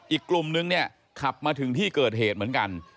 อีกกลุ่มนึงเนี่ยขับมาถึงที่เกิดเหตุเหมือนกัน